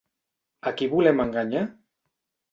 A qui volem enganyar?